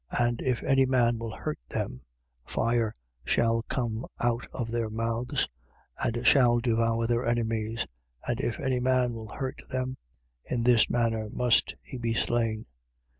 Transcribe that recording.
11:5. And if any man will hurt them, fire shall come out of their mouths and shall devour their enemies. And if any man will hurt them, in this manner must he be slain.